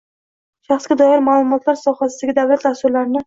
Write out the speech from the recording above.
shaxsga doir ma’lumotlar sohasidagi davlat dasturlarini